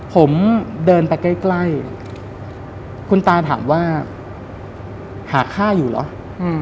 ผมเดินไปใกล้ใกล้คุณตาถามว่าหาค่าอยู่เหรออืม